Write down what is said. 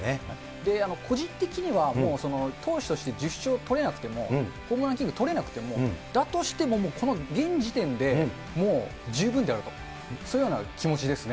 で、個人的には、もう投手として１０勝とれなくても、ホームランキングとれなくても、だとしても、もうこの現時点で、もう十分であると、そういうような気持ちですね。